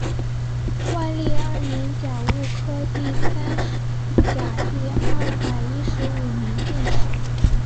万历二年甲戌科第三甲第二百一十五名进士。